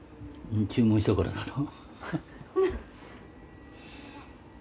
注文したからだろ？